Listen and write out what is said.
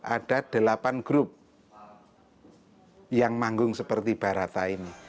ada delapan grup yang manggung seperti barata ini